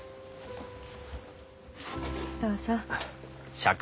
どうぞ。